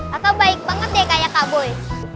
kaka baik banget deh kayak kak boy